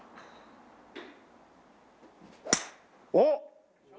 おっ！